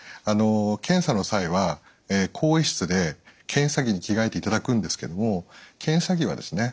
検査の際は更衣室で検査着に着替えていただくんですけども検査着はですね